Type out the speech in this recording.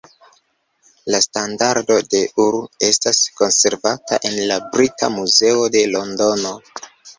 La Standardo de Ur estas konservata en la Brita Muzeo de Londono.